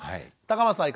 高松さん